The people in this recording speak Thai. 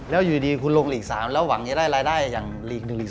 แล้วอยู่ดีคุณลงหลีก๓แล้วหวังจะได้รายได้อย่างหลีก๑หลีก